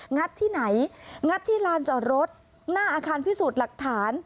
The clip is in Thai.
ัดที่ไหนงัดที่ลานจอดรถหน้าอาคารพิสูจน์หลักฐาน